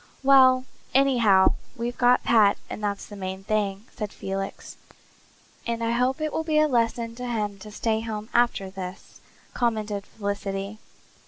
"Well, anyhow, we've got Pat and that's the main thing," said Felix. "And I hope it will be a lesson to him to stay home after this," commented Felicity.